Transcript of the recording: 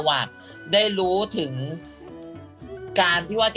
ของพระมหาพัยวร